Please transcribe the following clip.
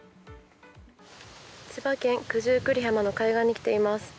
千葉県九十九里浜の海岸に来ています。